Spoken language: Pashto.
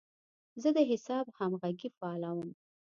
زه د حساب همغږي فعالوم.